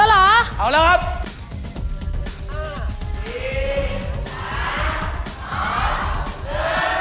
อุปกรณ์ทำสวนชนิดใดราคาถูกที่สุด